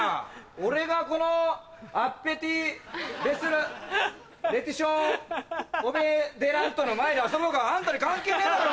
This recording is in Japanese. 俺がこのアッペティベスレティションオベデラントの前で遊ぼうがあんたに関係ねえだろ！